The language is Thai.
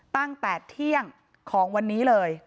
ตั้งแต่เที่ยงของวันนี้เลย